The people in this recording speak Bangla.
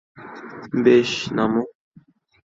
বেশ, নামো।